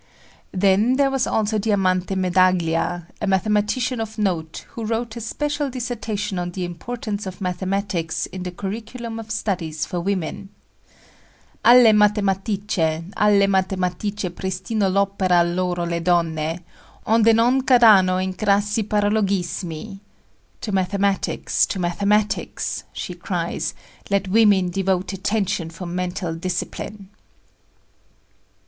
Then there was also Diamante Medaglia, a mathematician of note, who wrote a special dissertation on the importance of mathematics in the curriculum of studies for women, Alle matematiche, alle matematiche prestino l'opera loro le donne, onde non cadano in crassi paralogismi "To mathematics, to mathematics," she cries, "let women devote attention for mental discipline."